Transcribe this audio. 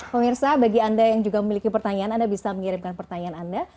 pemirsa bagi anda yang juga memiliki pertanyaan anda bisa mengirimkan pertanyaan anda